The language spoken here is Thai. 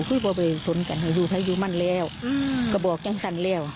คุ้คว่าไปสวนกันภายอยู่มั่นแล้วก็บอกจังกันแล้ว